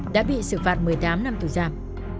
đã bị xử phạt một mươi tám năm tù giam